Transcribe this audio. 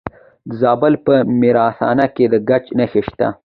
د زابل په میزانه کې د ګچ نښې شته.